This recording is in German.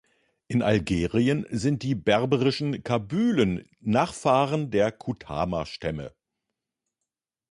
In Algerien sind die berberischen Kabylen Nachfahren der Kutama-Stämme.